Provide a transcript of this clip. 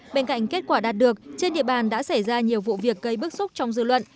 bên cạnh kết quả đạt được trên địa bàn đã xảy ra nhiều vụ việc gây bức xúc trong dư luận